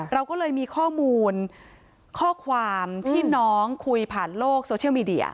เราก็เลยมีข้อมูลข้อความที่น้องคุยผ่านโลกโซเชียลมีเดีย